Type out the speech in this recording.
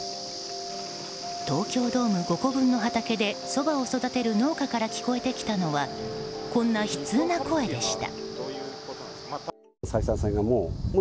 東京ドーム５個分の畑でソバを育てる農家から聞こえてきたのはこんな悲痛な声でした。